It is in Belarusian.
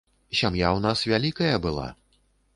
Сям'я ў нас вялікая была.